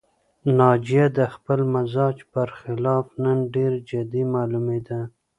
ناجیه د خپل مزاج پر خلاف نن ډېره جدي معلومېده